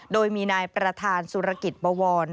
โดยมีนายประธานสุรกิจบวร